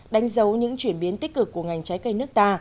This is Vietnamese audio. đánh dấu những chuyển biến tích cực của ngành trái cây nước ta